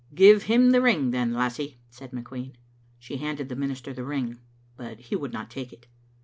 "Give him the ring then, lassie," said McQueen. She handed the minister the ring, but he would not take it.